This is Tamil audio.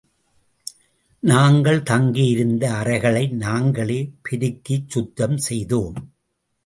நாங்கள் தங்கியிருந்த அறைகளை நாங்களே பெருக்கிச் சுத்தம் செய்தோம்.